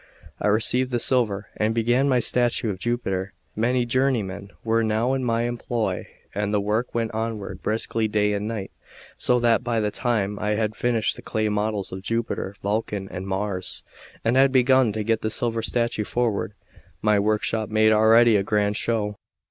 I received the silver and began my statue of Jupiter. Many journeymen were now in my employ; and the work went onward briskly day and night; so that, by the time I had finished the clay models of Jupiter, Vulcan, and Mars, and had begun to get the silver statue forward, my workshop made already a grand show.